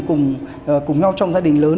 cùng nhau trong gia đình lớn